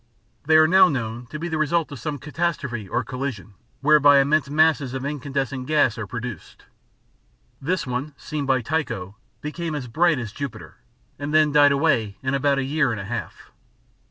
They are now known to be the result of some catastrophe or collision, whereby immense masses of incandescent gas are produced. This one seen by Tycho became as bright as Jupiter, and then died away in about a year and a half.